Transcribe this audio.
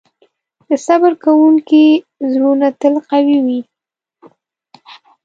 د صبر کوونکي زړونه تل قوي وي.